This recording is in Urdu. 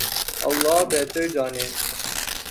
اللہ بہتر جانے۔